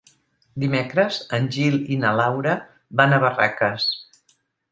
Dimecres en Gil i na Laura van a Barraques.